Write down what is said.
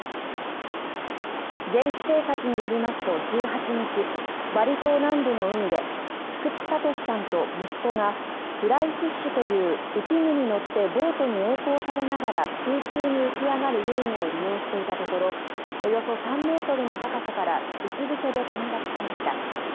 現地警察によりますと１８日、バリ島南部の海で菊池敏さんと息子がフライフィッシュという浮き具に乗ってボートにえい航されながら空中に浮き上がる遊具を利用していたところおよそ３ｍの高さからうつぶせで転落しました。